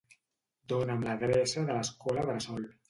Dona'm l'adreça de l'escola bressol.